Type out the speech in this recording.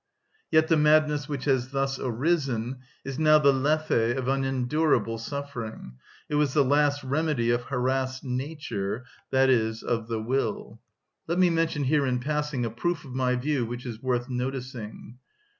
Yet the madness which has thus arisen is now the lethe of unendurable suffering; it was the last remedy of harassed nature, i.e., of the will. Let me mention here in passing a proof of my view which is worth noticing.